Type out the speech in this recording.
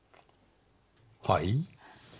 はい？